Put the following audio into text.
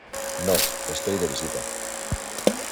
no, estoy de visita.